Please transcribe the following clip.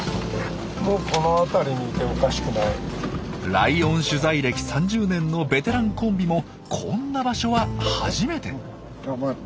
ライオン取材歴３０年のベテランコンビもこんな場所は初めて。